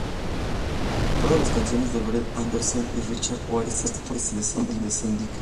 Todas las canciones de Brett Anderson y Richard Oakes, excepto donde se indique.